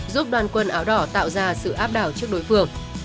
giúp đoàn quần áo đỏ tạo ra sự áp đảo trước đối phương